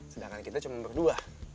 sedangkan kita cuma berdua